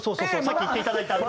さっき言っていただいた。